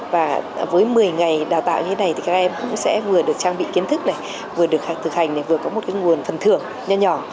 và với một mươi ngày đào tạo như thế này thì các em cũng sẽ vừa được trang bị kiến thức này vừa được thực hành để vừa có một nguồn phần thưởng nhỏ